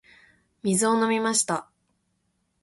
水を飲みました。